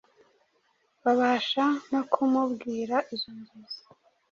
babasha no kumubwira izo nzozi.